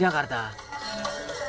examination di nikah